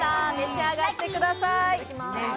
召し上がってください。